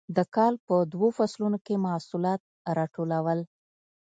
د کال په دوو فصلونو کې محصولات راټولول.